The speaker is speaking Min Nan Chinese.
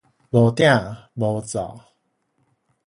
無鼎無灶